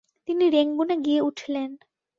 তিনি রেঙ্গুনে গিয়ে উঠলেন।